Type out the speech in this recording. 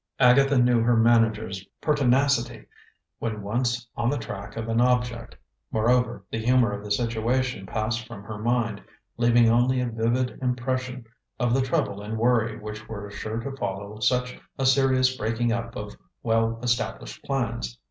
Agatha knew her manager's pertinacity when once on the track of an object. Moreover, the humor of the situation passed from her mind, leaving only a vivid impression of the trouble and worry which were sure to follow such a serious breaking up of well established plans.